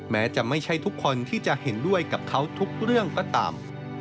แม้จะไม่ใช่ทุกคนที่จะเห็นด้วยกับเขาทุกเรื่องก็ตาม